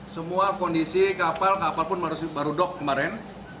semua kondisi kapal kapal pun baru dok kemarin